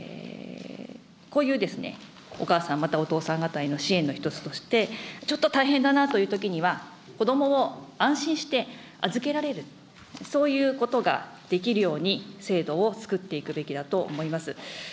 こういうお母さん、またお父さん方への支援の一つとして、ちょっと大変だなというときには、子どもを安心して預けられる、そういうことができるように制度をつくっていくべきだと思います。